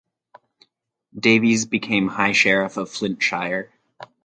Davies became High Sheriff of Flintshire.